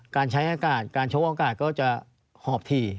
การใช้อากาศการชกอากาศก็จะหอบถี่